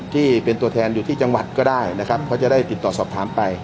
ที่เป็นตัวแทนอยู่ที่จังหวัดก็ได้นะครับเพราะจะได้ติดต่อสอบถามไป